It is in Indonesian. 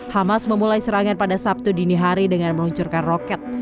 hamas memulai serangan pada sabtu dini hari dengan meluncurkan roket